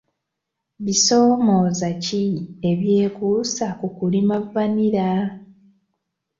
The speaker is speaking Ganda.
Bisoomooza ki ebyekuusa ku kulima vanilla?